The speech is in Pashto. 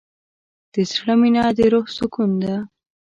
د زړه مینه د روح سکون ده.